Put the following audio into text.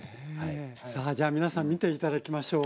さあじゃあ皆さん見て頂きましょう。